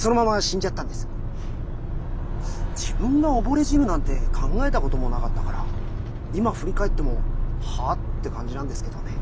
自分が溺れ死ぬなんて考えたこともなかったから今振り返っても「は？」って感じなんですけどね。